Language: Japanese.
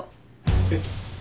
えっ。